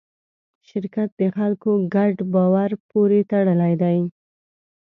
شرکت د خلکو ګډ باور پورې تړلی دی.